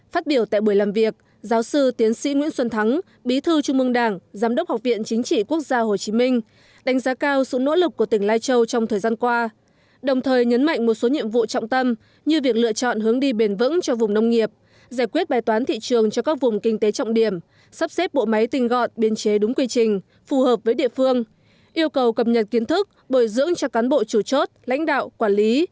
phát biểu tại buổi làm việc giáo sư tiến sĩ nguyễn xuân thắng bí thư trung ương đảng giám đốc học viện chính trị quốc gia hồ chí minh đánh giá cao sự nỗ lực của tỉnh lai châu trong thời gian qua đồng thời nhấn mạnh một số nhiệm vụ trọng tâm như việc lựa chọn hướng đi bền vững cho vùng nông nghiệp giải quyết bài toán thị trường cho các vùng kinh tế trọng điểm sắp xếp bộ máy tinh gọn biên chế đúng quy trình phù hợp với địa phương yêu cầu cập nhật kiến thức bồi dưỡng cho cán bộ chủ chốt lãnh đạo quản l